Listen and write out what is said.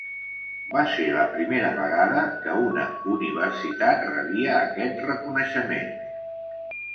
Va ser la primera vegada que una universitat rebia aquest reconeixement.